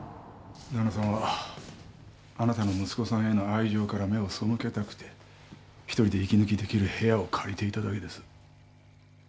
旦那さんはあなたの息子さんへの愛情から目を背けたくて一人で息抜きできる部屋を借りていただけです。